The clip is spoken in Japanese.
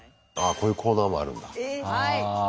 こういうコーナーもあるんだ。